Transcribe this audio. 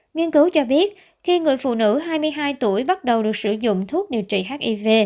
nghiên cứu cho biết khi người phụ nữ hai mươi hai tuổi bắt đầu được sử dụng thuốc điều trị hiv